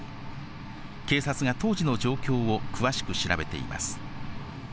警察が当時の状況を詳しく調べています。